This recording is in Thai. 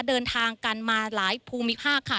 เดินทางกันมาหลายภูมิภาคค่ะ